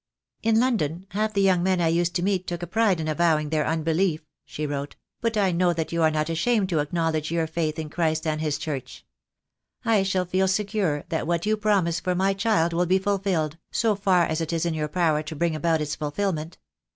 "In London half the young men I used to meet took a pride in avowing their unbelief," she wrote, "but I know that you are not ashamed to ' acknowledge your faith in Christ and His Church. I shall feel secure that what you promise for my child will be fulfilled, so far as it is in your power to bring about its fulfilment.